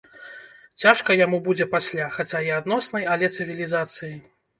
Цяжка яму будзе пасля, хаця і адноснай, але цывілізацыі.